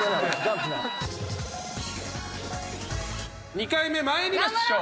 ２回目まいりましょう！